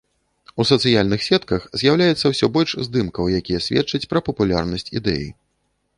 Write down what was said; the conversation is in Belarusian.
У сацыяльных сетках з'яўляецца ўсё больш здымкаў, якія сведчаць пра папулярнасць ідэі.